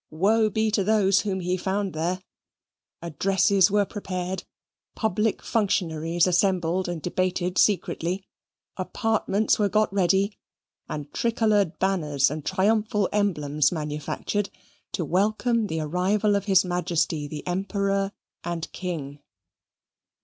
Woe be to those whom he found there! Addresses were prepared, public functionaries assembled and debated secretly, apartments were got ready, and tricoloured banners and triumphal emblems manufactured, to welcome the arrival of His Majesty the Emperor and King.